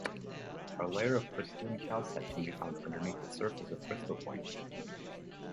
A layer of crystalline calcite can be found underneath the surface of crystal points.